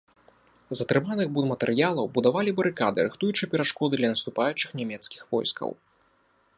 З атрыманых будматэрыялаў будавалі барыкады, рыхтуючы перашкоды для наступаючых нямецкіх войскаў.